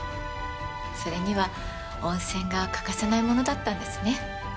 それには温泉が欠かせないものだったんですね。